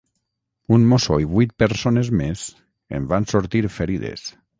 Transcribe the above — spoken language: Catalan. Un mosso i vuit persones més en van sortir ferides.